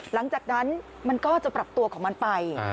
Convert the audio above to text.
หลังจากนั้นมันก็จะปรับตัวของมันไป